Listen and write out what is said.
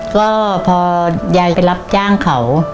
ก็พอยายไปรับจ้างเขา